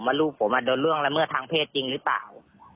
ลูกผมโดนล่วงละเมิดทางเพศจริงหรือเปล่า